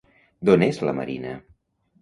D'on és la Marina?